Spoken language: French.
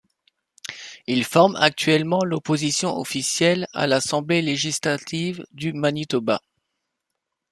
Il forme actuellement l'Opposition officielle à l'Assemblée législative du Manitoba.